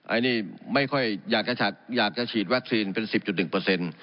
อันนี้ไม่ค่อยอยากจะฉีดวัคซีนเป็น๑๐๑เปอร์เซ็นต์